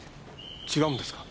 違うんですか？